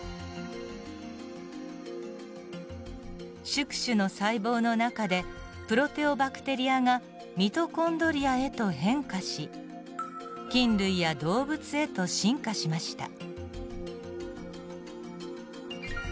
宿主の細胞の中でプロテオバクテリアがミトコンドリアへと変化し菌類や動物へと進化しました。